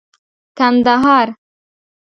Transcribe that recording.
کندهار